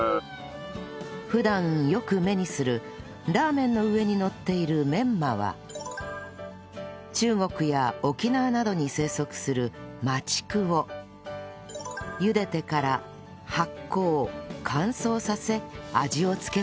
普段よく目にするラーメンの上にのっているメンマは中国や沖縄などに生息する麻竹を茹でてから発酵乾燥させ味を付けたもの